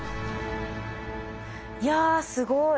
いやすごい。